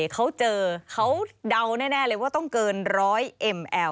เขาเจอเขาเดาแน่เลยว่าต้องเกิน๑๐๐มิลลิเมตร